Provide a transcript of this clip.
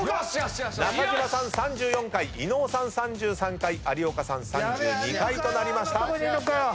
中島さん３４回伊野尾さん３３回有岡さん３２回となりました。